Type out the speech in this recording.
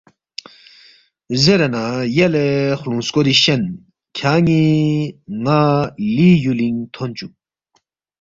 زیرے نہ یلے خلُونگ سکوری شین کھیان٘ی ن٘ا لی یُولِنگ تھون چُوک